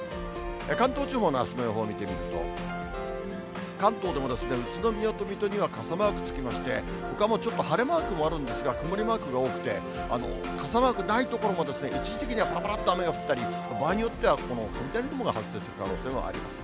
関東地方のあすの予報見てみると、関東でも宇都宮と水戸には傘マークつきまして、ほかもちょっと晴れマークもあるんですが、曇りマークが多くて、傘マークない所も、一時的にはぱらぱらっと雨が降ったり場合によっては、雷雲が発生する可能性はあります。